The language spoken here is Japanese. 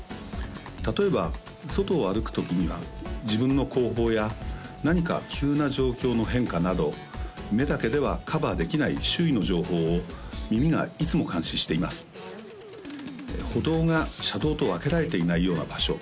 例えば外を歩くときには自分の後方や何か急な状況の変化など目だけではカバーできない周囲の情報を耳がいつも監視しています歩道が車道と分けられていないような場所